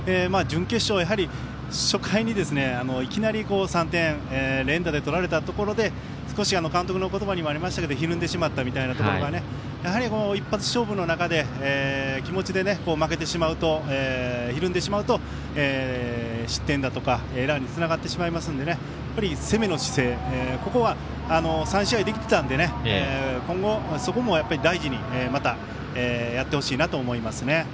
準決勝は、やはり初回にいきなり３点連打でとられたところで少し監督のことばにもありましたけどひるんでしまったみたいところがやはり一発勝負のところで気持ちで負けてしまうとひるんでしまうと、失点だとかエラーにつながってしまいますので攻めの姿勢、ここは３試合できていたので今後、そこも大事にまたやってほしいなと思いますね。